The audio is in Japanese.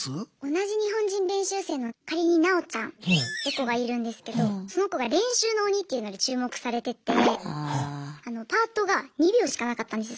同じ日本人練習生の仮になおちゃんって子がいるんですけどその子が「練習の鬼」っていうので注目されててパートが２秒しかなかったんですよ